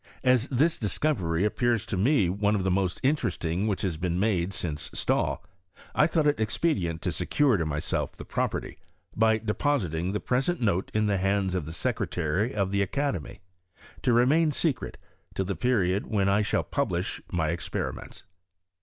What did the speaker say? As this discovery appears to mc one of the most interesting which has been made since Stahl, I thought it expedient to secure to my self the property, by depositing the present note in the hands of the secretary of the academy, to re PROGRESS or CHEMISTRY IN FRAVCE. 101 main secret till the period when I shall publish my experiments.